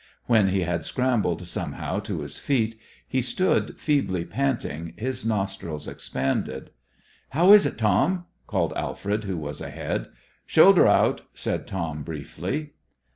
When he had scrambled somehow to his feet, he stood feebly panting, his nostrils expanded. "How is it, Tom?" called Alfred, who was ahead. "Shoulder out," said Tom, briefly.